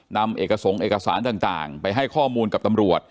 นำเอกสงค์เอกสารต่างไปให้ข้อมูลกับตำรวจ